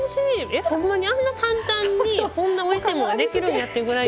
えっほんまにあんなに簡単にこんなおいしいもんができるんやっていうぐらい。